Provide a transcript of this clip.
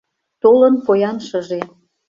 Толын поян шыже